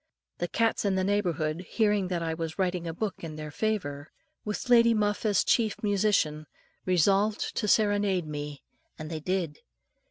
The cats in the neighbourhood, hearing that I was writing a book in their favour, with Lady Muff as chief musician, resolved to serenade me; and they did.